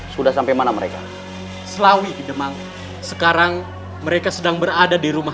sudah sampai mana mereka selawi di demang sekarang mereka sedang berada di rumah